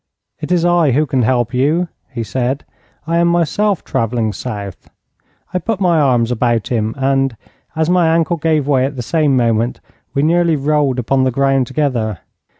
'It is I who can help you,' he said. 'I am myself travelling south.' I put my arms about him and, as my ankle gave way at the same moment, we nearly rolled upon the ground together.